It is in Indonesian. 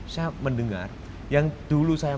saya mendengar yang dulu saya